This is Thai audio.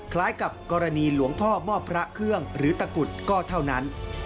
คล้ายกับกรณีหลวงพ่อมอบพระเครื่องหรือตะกุดก็เท่านั้น